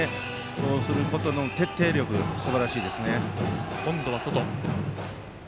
そうする徹底力はすばらしいですね。